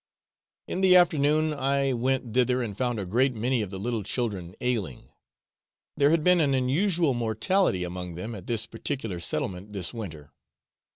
In the afternoon I went thither, and found a great many of the little children ailing; there had been an unusual mortality among them at this particular settlement this winter.